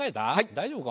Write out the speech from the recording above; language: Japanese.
大丈夫か？